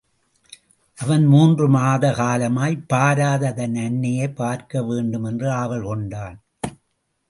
அவன் மூன்று மாத காலமாய்ப் பாராத தன் அன்னையைப் பார்க்கவேண்டும் என்று ஆவல் கொண்டான்.